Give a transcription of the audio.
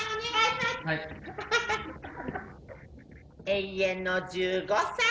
永遠の１５歳。